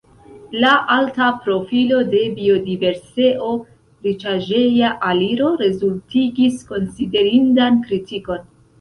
La alta profilo de biodiverseo-riĉaĵeja aliro rezultigis konsiderindan kritikon.